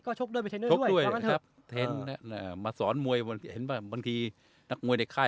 ก็ชกด้วยเป็นเทรนเนอร์ด้วยครับมาสอนมวยเห็นป่ะบางทีนักมวยในค่าย